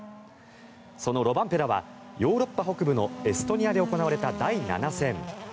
そのロバンペラはヨーロッパ北部のエストニアで行われた第７戦